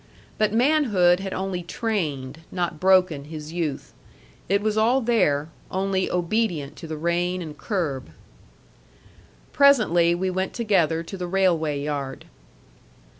But manhood had only trained, not broken, his youth. It was all there, only obedient to the rein and curb. Presently we went together to the railway yard.